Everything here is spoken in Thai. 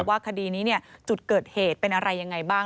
ว่าคดีนี้จุดเกิดเหตุเป็นอะไรยังไงบ้าง